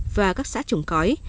và các xã trồng cõi